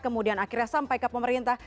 kemudian akhirnya sampai ke pemerintah